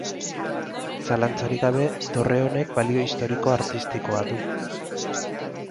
Zalantzarik gabe, dorre honek balio historiko-artistikoa du.